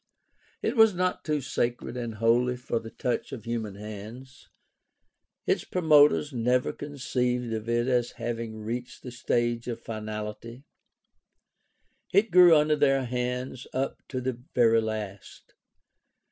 It was not too sacred and holy for the touch of human hands. Its promoters never conceived of it as having reached the stage of finality. It grew under their hands up to the very last.